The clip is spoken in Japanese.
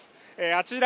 あちら